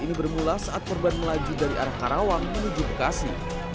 ini bermula saat korban melaju dari arah karawang menuju bekasi